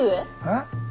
えっ？